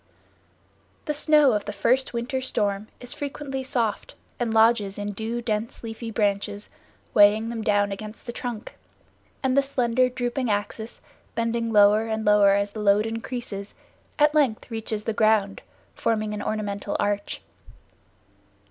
The snow of the first winter storm is frequently soft, and lodges in due dense leafy branches, weighing them down against the trunk, and the slender, drooping axis, bending lower and lower as the load increases, at length reaches the ground, forming an ornamental arch.